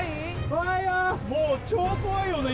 怖いよもう超怖いよね